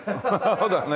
そうだね。